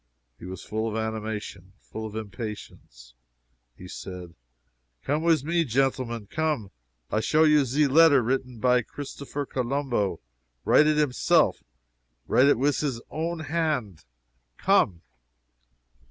He was full of animation full of impatience. He said: "Come wis me, genteelmen! come! I show you ze letter writing by Christopher Colombo! write it himself! write it wis his own hand! come!"